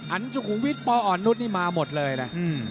สุขุมวิทย์ปอ่อนนุษย์นี่มาหมดเลยนะ